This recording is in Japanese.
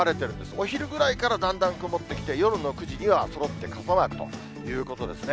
お昼ぐらいからだんだん曇ってきて、夜の９時にはそろって傘マークということですね。